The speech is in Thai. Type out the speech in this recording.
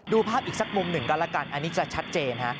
ภาพอีกสักมุมหนึ่งกันละกันอันนี้จะชัดเจนฮะ